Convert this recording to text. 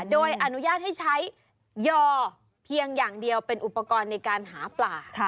โดยอนุญาตให้ใช้ยอเพียงอย่างเดียวเป็นอุปกรณ์ในการหาปลา